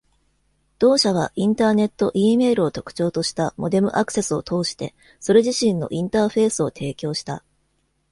同社は、インターネットイーメールを特徴としたモデム・アクセスを通して、それ自身のインターフェースを提供した。